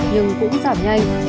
nhưng cũng giảm nhanh